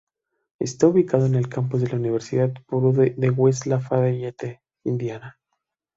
Está ubicado en el campus de la universidad Purdue en West Lafayette, Indiana.